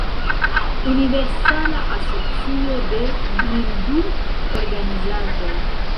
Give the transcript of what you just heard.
Universala Asocio de Blindul-Organizaĵoj.